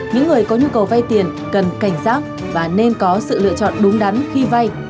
những người có nhu cầu vay tiền cần cảnh giác và nên có sự lựa chọn đúng đắn khi vay